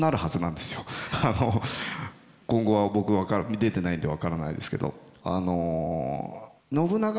あの今後は僕出てないんで分からないですけど。